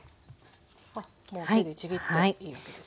あっもう手でちぎっていいわけですね。